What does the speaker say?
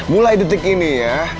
mulai detik ini ya